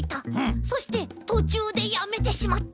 そしてとちゅうでやめてしまった！